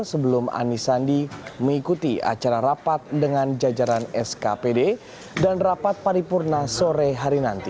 sebelum anis sandi mengikuti acara rapat dengan jajaran skpd dan rapat paripurna sore hari nanti